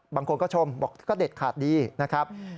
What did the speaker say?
บางคนก็ชมบอกก็เด็ดขาดดีนะครับ